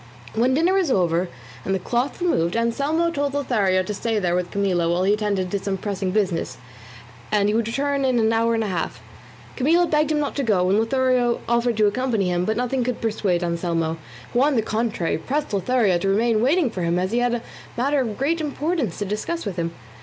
When dinner was over and the cloth removed, Anselmo told Lothario to stay there with Camilla while he attended to some pressing business, as he would return in an hour and a half. Camilla begged him not to go, and Lothario offered to accompany him, but nothing could persuade Anselmo, who on the contrary pressed Lothario to remain waiting for him as he had a matter of great importance to discuss with him.